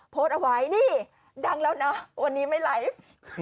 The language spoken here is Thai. โพสต์เอาไว้นี่ดังแล้วนะวันนี้ไม่ไลฟ์